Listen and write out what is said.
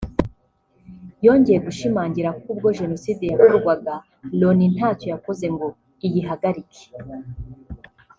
yongeye gushimangira ko ubwo Jenoside yakorwaga Loni ntacyo yakoze ngo iyihagarike